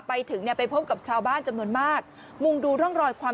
ไปถึงเนี่ยไปพบกับชาวบ้านจำนวนมากมุงดูร่องรอยความ